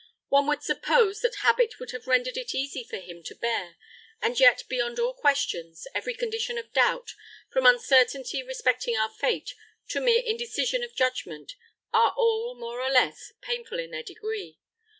One would suppose that habit would have rendered it easy for him to bear; and yet, beyond all questions, every condition of doubt, from uncertainty respecting our fate, to mere indecision of judgment, are all, more or less, painful in their degree.